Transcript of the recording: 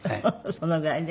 そのぐらいね。